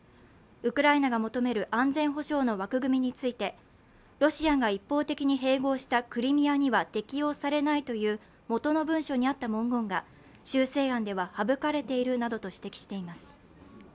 ウクライナが求める安全保障の枠組みについて、ロシアが一方的に併合したクリミアには適用されないという元の文書にあった文言が修正案では省かれているなどと指摘しています。